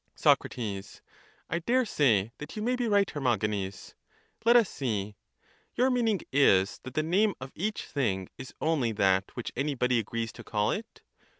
Soc. I dare say that you may be right, Hermogenes: let us see ;— Your meaning is, that the name of each thing is only that which anybody agrees to call it?